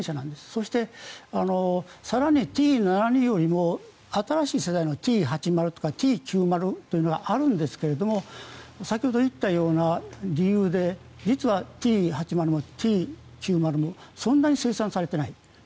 そして、更にＴ７２よりも新し世代のＴ８０とかＴ９０というのがあるんですけれども先ほど言ったような理由で実はＴ８０もＴ９０もそんなに生産されていない。